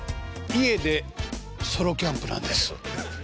家でソロキャンプなんです。